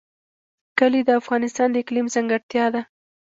کلي د افغانستان د اقلیم ځانګړتیا ده.